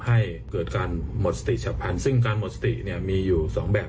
ให้เกิดการหมดสติฉับพันธุ์ซึ่งการหมดสติเนี่ยมีอยู่สองแบบ